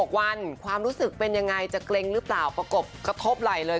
๖วันความรู้สึกเป็นยังไงจะเกร็งหรือเปล่าประกบกระทบไหล่เลย